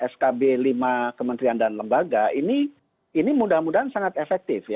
skb lima kementerian dan lembaga ini mudah mudahan sangat efektif